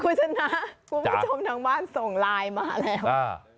คุณชนะคุณผู้ชมทางบ้านส่งไลน์มาแล้ว